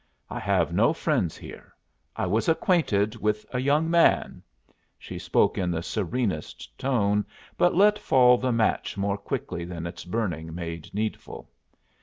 I have no friends here. I was acquainted with a young man." She spoke in the serenest tone, but let fall the match more quickly than its burning made needful.